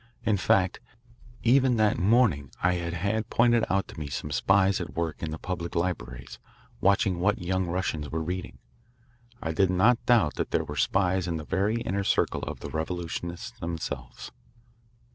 In fact, even that morning I had had pointed out to me some spies at work in the public libraries, watching what young Russians were reading. I did not doubt that there were spies in the very inner circle of the revolutionists themselves.